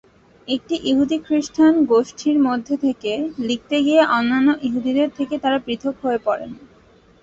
একটি ইহুদি-খ্রিস্টান গোষ্ঠীর মধ্যে থেকে লিখতে গিয়ে অন্যান্য ইহুদিদের থেকে তারা পৃথক হয়ে পড়েন।